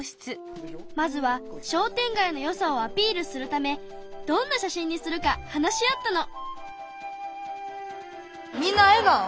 まずは商店街のよさをアピールするためどんな写真にするか話し合ったの。